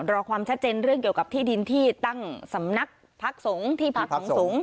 รอความชัดเจนเรื่องเกี่ยวกับที่ดินที่ตั้งสำนักพักสงฆ์ที่พักของสงฆ์